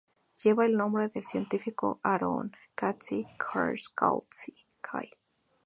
Lleva el nombre del científico Aharon Katzir-Katchalsky.